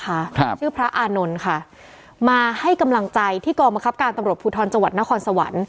ครับชื่อพระอานนท์ค่ะมาให้กำลังใจที่กองบังคับการตำรวจภูทรจังหวัดนครสวรรค์